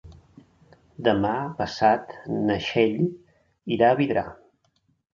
Demà passat na Txell irà a Vidrà.